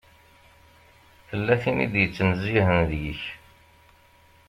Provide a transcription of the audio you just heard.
Tella tin i d-ittnezzihen deg-k.